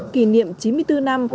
kỷ niệm chín mươi bốn năm